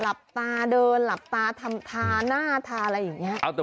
หลับตาเดินหลับตาทำทาหน้าทาอะไรอย่างนี้